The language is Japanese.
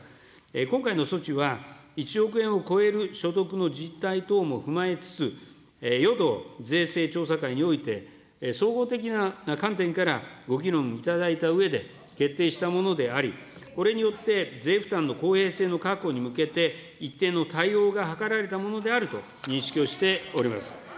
今回の措置は、１億円を超える所得の実態等も踏まえつつ、与党税制調査会において、総合的な観点から、ご議論いただいたうえで決定したものであり、これによって、税負担の公平性の確保に向けて一定の対応が図られたものであると認識をしております。